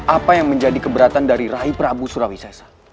apa yang menjadi keberatan dari raih prabu suryawisesa